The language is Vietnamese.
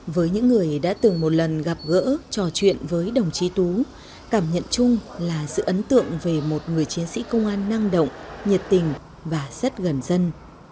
với những người đã từng một lần gặp gỡ trò chuyện với đồng chí tú cảm nhận chung là sự ấn tượng về một người chiến sĩ công an năng động nhiệt tình và rất gần dân